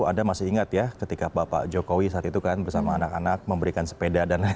anda masih ingat ya ketika bapak jokowi saat itu kan bersama anak anak memberikan sepeda dan lain lain